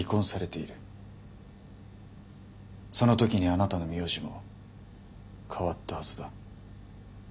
その時にあなたの名字も変わったはずだ。